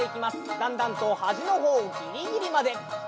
だんだんと端の方ギリギリまで。